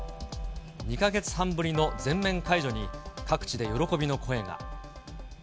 ２か月半ぶりの全面解除に、各地で喜びの声が。